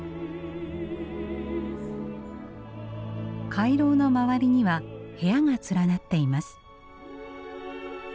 回廊の周りには部屋が連なっています。